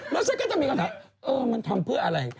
แล้วเสร็จก็จะมีคนจะหาเออมันทำเพื่ออะไร